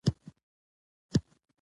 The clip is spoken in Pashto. د پوستکي او ویښتانو د رنګ کنټرولونکو